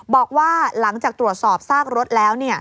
บอกว่าหลังจากตรวจสอบซากรถแล้ว